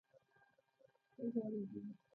څه غورې دي.